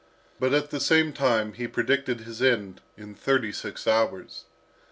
But at the same time, he predicted his end in thirty six hours.